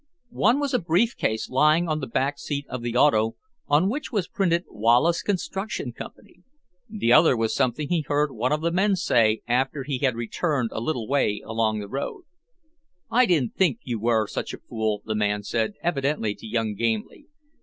One was a brief case lying on the back seat of the auto on which was printed WALLACE CONSTRUCTION CO. The other was something he heard one of the men say after he had returned a little way along the road. "I didn't think you were such a fool," the man said, evidently to young Gamely.